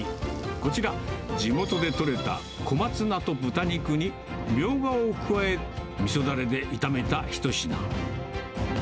こちら、地元で取れた小松菜と豚肉にミョウガを加え、みそだれで炒めた一品。